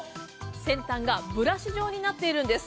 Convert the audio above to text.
先端がブラシ状になっているんです。